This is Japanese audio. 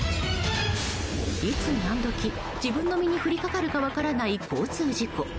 いつ何時、自分の身に降りかかるか分からない交通事故。